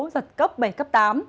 giật cấp bảy tám